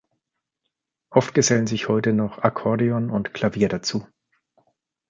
Oft gesellen sich heute noch Akkordeon und Klavier dazu.